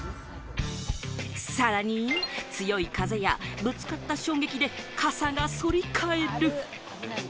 さらに、強い風やぶつかった衝撃で傘が反り返る。